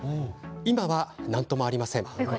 今は何ともありません。